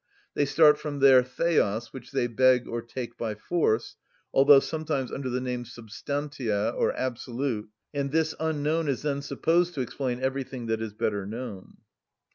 They start from their θεος, which they beg or take by force, although sometimes under the name substantia, or absolute, and this unknown is then supposed to explain everything that is better known.